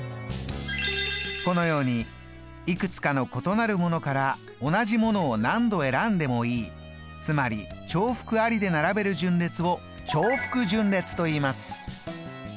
このようにいくつかの異なるものから同じものを何度選んでもいいつまり重複ありで並べる順列を重複順列といいます。